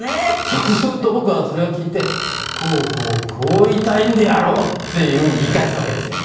そうすると僕はそれを聞いて「こうこうこう言いたいんであろう」っていうふうに言い返すわけですよ。